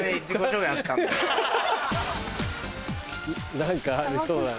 何かありそうだな。